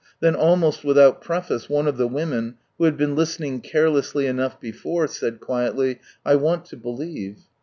Then almost without preface one of the women, who had been listening carelessly enough before, said quietly, " I want lo believe."